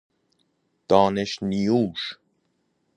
دانش نیوش